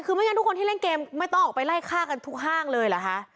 คือไม่งั้นทุกคนที่เล่นเกมไม่ต้องออกไปไล่ฆ่ากันทุกห้างเลยเหรอคะ